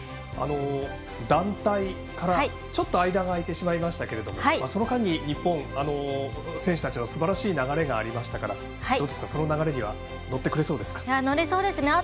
団体から、ちょっと間が空いてしまいましたがその間に日本の選手たちはすばらしい流れがありましたからその流れには乗ってくれそうですか？